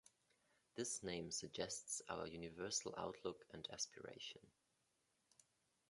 This name suggests our universal outlook and aspiration.